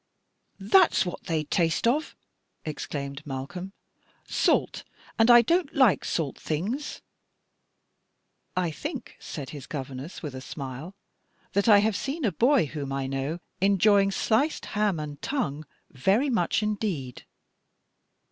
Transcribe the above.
"That's what they taste of," exclaimed Malcolm "salt; and I don't like salt things." "I think," said his governess, with a smile, "that I have seen a boy whom I know enjoying sliced ham and tongue very much indeed."